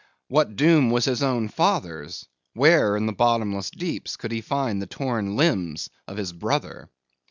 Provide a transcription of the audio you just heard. What doom was his own father's? Where, in the bottomless deeps, could he find the torn limbs of his brother?